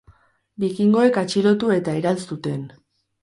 Bikingoek atxilotu eta erail zuten.